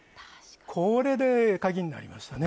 これで鍵になりましたね